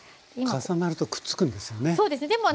重なるとくっつくんですよね？